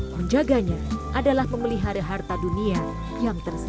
menjaganya adalah memelihara harta dunia yang tersisa